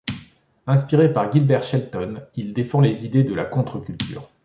Inspiré par Gilbert Shelton, il défend les idées de la contre-culture.